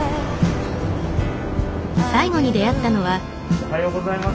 おはようございます。